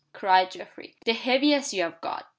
cried Geoffrey. "The heaviest you have got."